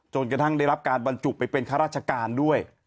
กระทั่งได้รับการบรรจุไปเป็นข้าราชการด้วย